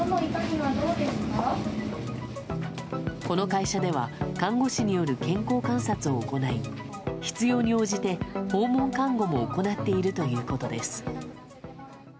この会社では看護師による健康観察を行い必要に応じて訪問看護も行っているということです。